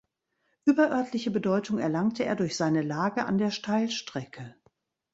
Überörtliche Bedeutung erlangte er durch seine Lage an der Steilstrecke.